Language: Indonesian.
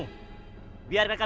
biar dia bisa mencari saya